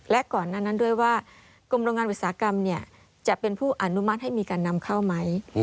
และก่อนหน้านั้นด้วยว่ากรมโรงงานอุตสาหกรรมจะเป็นผู้อนุมัติให้มีการนำเข้าไหม